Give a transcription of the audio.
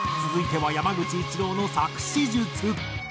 続いては山口一郎の作詞術。